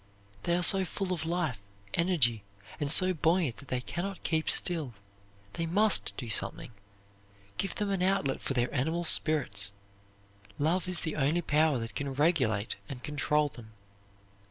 They are so full of life, energy, and so buoyant that they can not keep still. They must do something. Give them an outlet for their animal spirits. Love is the only power that can regulate and control them.